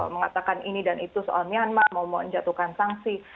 mengatakan ini dan itu soal myanmar mau menjatuhkan sanksi